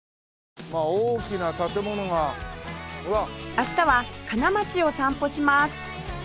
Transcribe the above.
明日は金町を散歩します